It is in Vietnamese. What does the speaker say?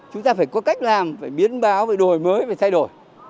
chúng ta phải có cách làm phải biến báo về đổi mới phải thay đổi